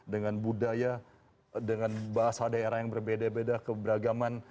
dengan budaya dengan bahasa daerah yang berbeda beda keberagaman